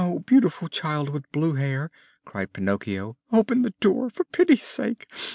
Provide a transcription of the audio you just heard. "Oh! beautiful Child with blue hair," cried Pinocchio, "open the door, for pity's sake!